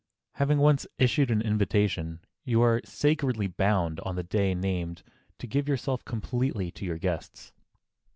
Having once issued an invitation, you are sacredly bound on the day named to give yourself completely to your guests.